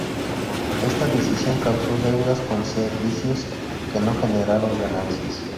Esta decisión causó deudas con servicios que no generaron ganancias.